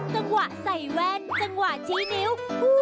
จังหวะใส่แว่นจังหวะชี้นิ้ว